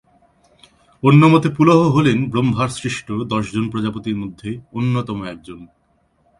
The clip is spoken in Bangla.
অন্যমতে, পুলহ হলেন ব্রহ্মার সৃষ্ট দশজন প্রজাপতির মধ্যে অন্যতম একজন।